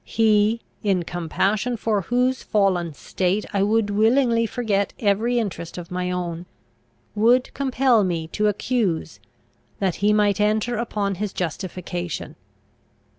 He, in compassion for whose fallen state I would willingly forget every interest of my own, would compel me to accuse, that he might enter upon his justification.